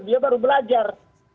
dia baru belajar